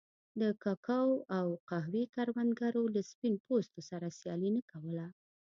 د کوکو او قهوې کروندګرو له سپین پوستو سره سیالي نه کوله.